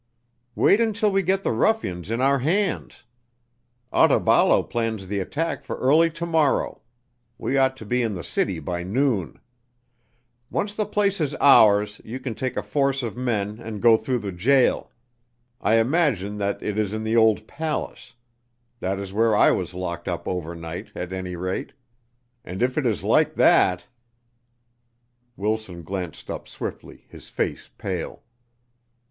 "Wait until we get the ruffians in our hands. Otaballo plans the attack for early to morrow; we ought to be in the city by noon. Once the place is ours you can take a force of men and go through the jail; I imagine that it is in the old palace. That is where I was locked up overnight, at any rate; and if it is like that " Wilson glanced up swiftly, his face pale.